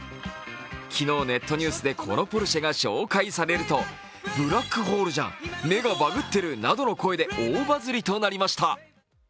昨日、ネットニュースでこのポルシェが紹介されると、ブラックホールじゃん、目がバグってるなどの声で大バズりとなりました。